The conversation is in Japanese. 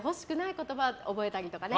言葉覚えたりとかね。